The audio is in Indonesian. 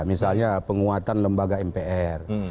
misalnya penguatan lembaga mpr